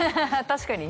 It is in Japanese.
確かに。